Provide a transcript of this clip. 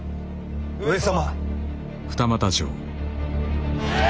上様。